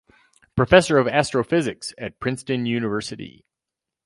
Professor of Astrophysics at Princeton University.